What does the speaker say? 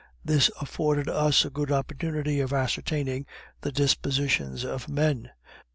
This afforded us a good opportunity of ascertaining the dispositions of men.